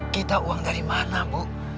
kita uang dari mana bu